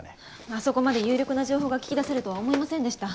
あそこまで有力な情報が聞き出せるとは思いませんでした。